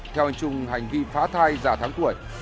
theo anh trung hành vi phá thai ra tháng cuối